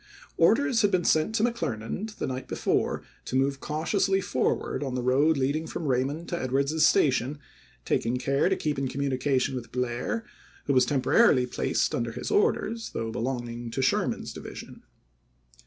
Orders had been sent to McClernand the night before to move cautiously forward on the road leading from Eaymond to Edwards's Station, taking care to keep in communication with Blair, who was tem porarily placed under his orders, though belonging to Sherman's division.